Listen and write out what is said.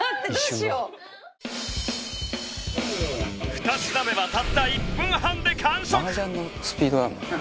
２品目はたった１分半で完食！